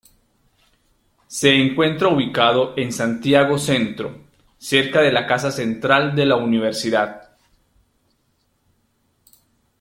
Se encuentra ubicado en Santiago Centro, cerca de la casa central de la universidad.